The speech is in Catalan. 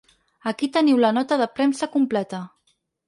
Aquí teniu la nota de premsa completa.